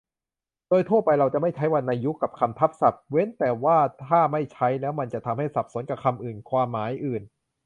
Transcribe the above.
โดยทั่วไปเราจะไม่ใช้วรรณยุกต์กับคำทับศัพท์ เว้นว่าถ้าไม่ใช้แล้วมันจะทำให้สับสนกับคำอื่นความหมายอื่น